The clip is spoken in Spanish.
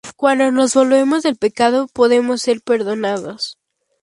Cuando nos volvemos del pecado, podemos ser perdonados.